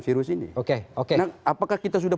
di sini oke oke nah apakah kita sudah